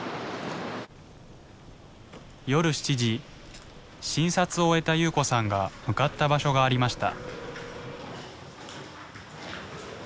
夜７時診察を終えた夕子さんが向かった場所がありました。